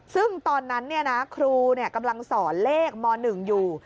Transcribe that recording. ซึ่งตอนนั้นครูกำลังสอนเลขม๑อยู่